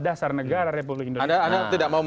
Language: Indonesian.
dasar negara republik indonesia